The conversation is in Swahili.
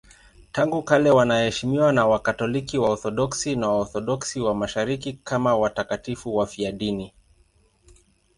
Tangu kale wanaheshimiwa na Wakatoliki, Waorthodoksi na Waorthodoksi wa Mashariki kama watakatifu wafiadini.